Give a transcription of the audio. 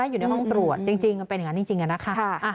อยู่ในห้องตรวจจริงมันเป็นอย่างนั้นจริงนะคะ